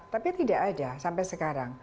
tapi tidak ada sampai sekarang